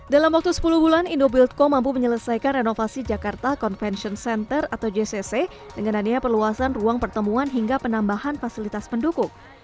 dalam waktu sepuluh bulan indobuildco mampu menyelesaikan renovasi jakarta convention center atau jcc dengan adanya perluasan ruang pertemuan hingga penambahan fasilitas pendukung